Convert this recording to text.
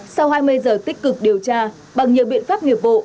sau hai mươi giờ tích cực điều tra bằng nhiều biện pháp nghiệp vụ